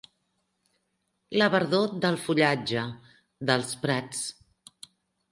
La verdor del fullatge, dels prats.